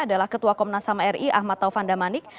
adalah ketua komnas ham ri ahmad taufan damanik